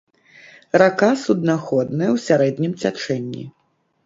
Рака суднаходная ў сярэднім цячэнні.